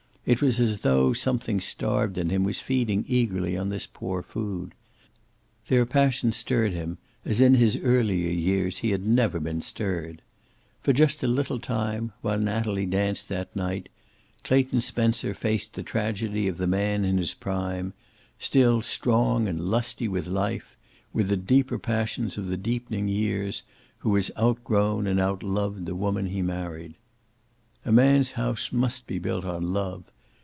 It was as though something starved in him was feeding eagerly on this poor food. Their passion stirred him as in his earlier years he had never been stirred. For just a little time, while Natalie danced that night, Clayton Spencer faced the tragedy of the man in his prime, still strong and lusty with life, with the deeper passions of the deepening years, who has outgrown and outloved the woman he married. A man's house must be built on love.